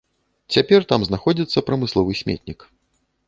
Цяпер там знаходзіцца прамысловы сметнік.